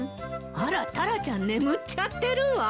あらっタラちゃん眠っちゃってるわ。